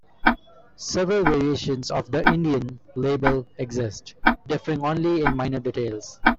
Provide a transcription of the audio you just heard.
Several variations of the "Indian" label exist, differing only in minor details.